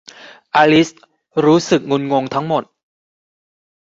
อลิซรู้สึกงุนงงทั้งหมด